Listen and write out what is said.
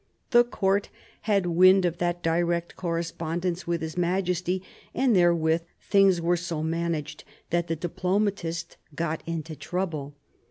The Court had wind of that direct correspondence with his majesty and therewith things were so managed that the diplomatist got into trouble.